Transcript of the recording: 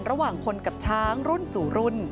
ระหว่างคนกับช้างรุ่นสู่รุ่น